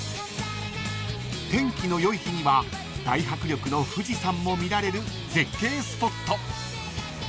［天気の良い日には大迫力の富士山も見られる絶景スポット］